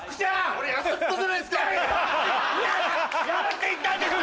こっちがやるって言ったんですよ。